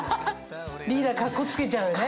リーダーカッコつけちゃうよね。